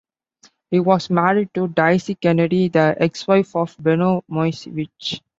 He was married to Daisy Kennedy, the ex-wife of Benno Moiseiwitsch.